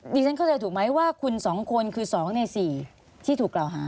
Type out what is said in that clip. ดิฉันเข้าใจถูกไหมว่าคุณสองคนคือสองในสี่ที่ถูกเราฮะ